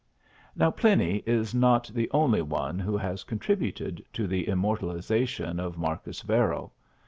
Now, Pliny is not the only one who has contributed to the immortalization of Marcus Varro.